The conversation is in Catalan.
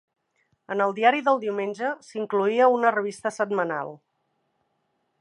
En el diari del diumenge s'incloïa una revista setmanal.